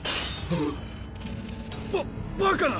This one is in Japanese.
ん⁉ババカな！